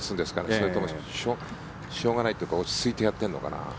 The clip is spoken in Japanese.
それともしょうがないというか落ち着いて、やってるのかな。